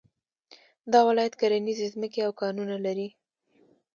دا ولايت کرنيزې ځمکې او کانونه لري